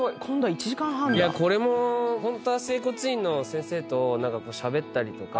これもホントは整骨院の先生としゃべったりとか。